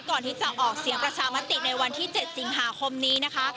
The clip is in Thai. ก่อนที่จะออกเสียงประชามติในวันที่๗สิงหาคมนี้นะคะ